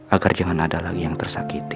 agar jangan ada lagi yang tersakiti